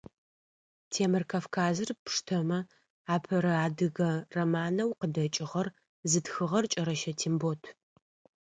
Темыр Кавказыр пштэмэ, апэрэ адыгэ романэу къыдэкӏыгъэр зытхыгъэр Кӏэрэщэ Тембот.